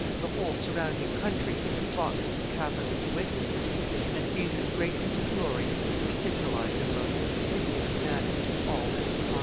The whole surrounding country flocked to the capital to witness it, and Caesar's greatness and glory were signalized in the most conspicuous manner to all mankind.